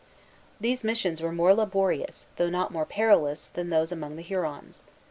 These missions were more laborious, though not more perilous, than those among the Hurons.